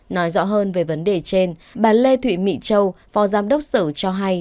nói rõ hơn về vấn đề trên bà lê thị mỹ châu phó giám đốc sở cho hay